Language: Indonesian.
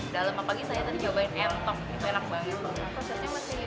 dalam pagi saya tadi cobain entok itu enak banget